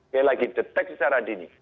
sekali lagi deteksi secara dini